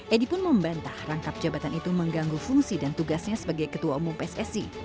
edi pun membantah rangkap jabatan itu mengganggu fungsi dan tugasnya sebagai ketua umum pssi